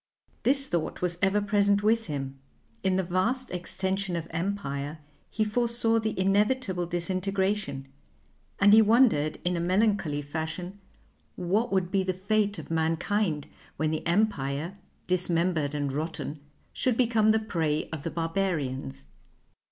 This thought was ever present with him; in the vast extension of empire he foresaw the inevitable disintegration, and he wondered in a melancholy fashion what would be the fate of mankind when the Empire, dismembered and rotten, should become the prey of the Barbarians.